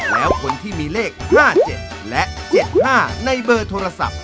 แล้วคนที่มีเลข๕๗และ๗๕ในเบอร์โทรศัพท์